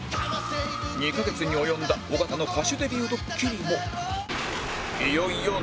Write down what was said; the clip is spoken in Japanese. ２カ月に及んだ尾形の歌手デビュードッキリも